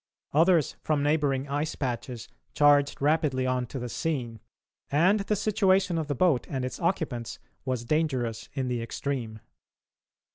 Others from neighbouring ice patches charged rapidly on to the scene, and the situation of the boat and its occupants was dangerous in the extreme.